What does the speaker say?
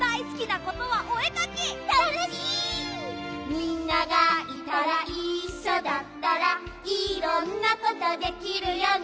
「みんながいたら一緒だったらいろんなことできるよね」